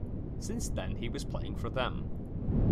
Since then he was playing for them.